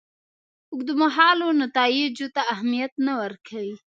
اوږدمهالو نتیجو ته اهمیت نه ورکوي.